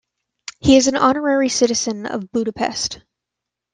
He is an honorary citizen of Budapest.